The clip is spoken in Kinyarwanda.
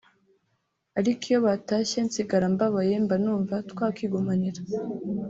ariko iyo batashye nsigara mbabaye mba numva twakwigumanira